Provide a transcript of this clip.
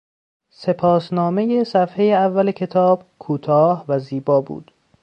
سپاس نامهی صفحهی اول کتاب کوتاه و زیبا بود.